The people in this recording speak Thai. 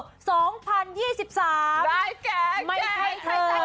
ได้แกสักครีศ